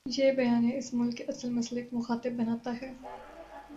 یہ بیانیہ اس ملک کے اصل مسئلے کو مخاطب بناتا ہے۔